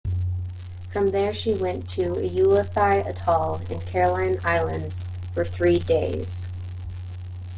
From there she went to Ulithi Atoll in Caroline Islands for three days.